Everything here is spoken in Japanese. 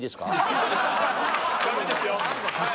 ダメですよはい。